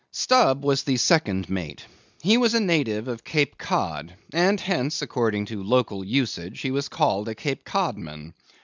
Stubb was the second mate. He was a native of Cape Cod; and hence, according to local usage, was called a Cape Cod man.